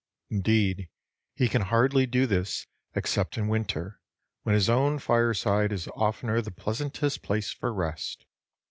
Indeed, he can hardly do this except in winter, when his own fireside is oftener the pleasantest place for rest.